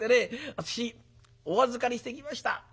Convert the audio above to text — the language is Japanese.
私お預かりしてきました。